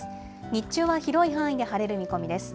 日中は広い範囲で晴れる見込みです。